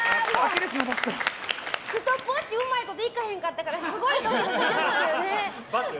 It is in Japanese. ストップウォッチうまいこといかへんかったからすごいドキドキしてます。